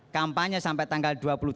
kampanye sampai tanggal dua puluh tiga